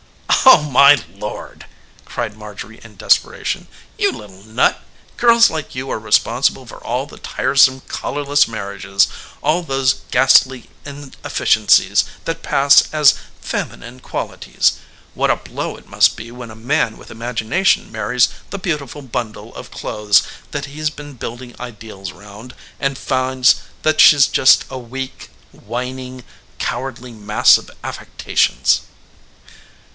"Oh, my Lord!" cried Marjorie in desperation "You little nut! Girls like you are responsible for all the tiresome colorless marriages; all those ghastly inefficiencies that pass as feminine qualities. What a blow it must be when a man with imagination marries the beautiful bundle of clothes that he's been building ideals round, and finds that she's just a weak, whining, cowardly mass of affectations!"